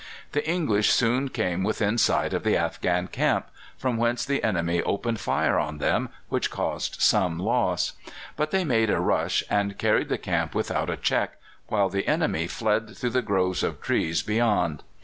The English soon came within sight of the Afghan camp, from whence the enemy opened fire on them, which caused some loss. But they made a rush and carried the camp without a check, while the enemy fled through the groves of trees beyond.